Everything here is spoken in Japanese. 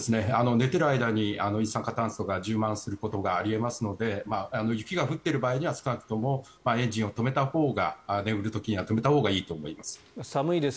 寝ている間に一酸化炭素が充満することがあり得ますので雪が降っている場合には少なくともエンジンを止めたほうが眠る時には止めたほうがいいと思います。